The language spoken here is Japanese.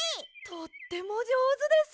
とってもじょうずです。